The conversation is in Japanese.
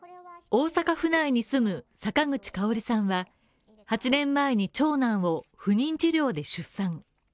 大阪府内に住む坂口香さんは８年前に長男を、不妊治療で出産。